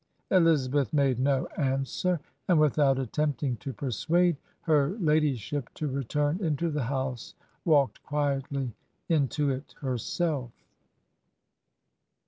Elizabeth made no answer; and without attempting to persuade her ladyship to return into the house, walked quietly into it herself."